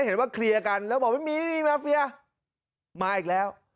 เห็นว่าเคลียร์กันแล้วบอกไม่มีไม่มีมาเฟียมาอีกแล้ว